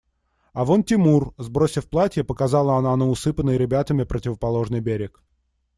А вон Тимур! – сбросив платье, показала она на усыпанный ребятами противоположный берег.